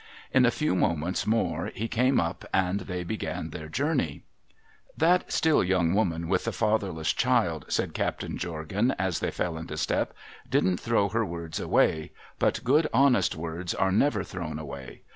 In a few moments more he came up and they began their journey. R 242 A MESSAGE FROM THE SKA ' That still young woman with the fatherless child/ said Captain Jort,'an, as they fell into step, * didn't throw her words away ; but good honest words are never thrown away.